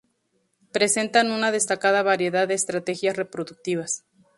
Presentan una destacada variedad de estrategias reproductivas.